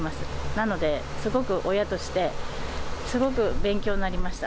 なので、すごく親として、すごく勉強になりました。